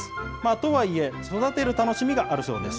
とはいえ、育てる楽しみがあるそうです。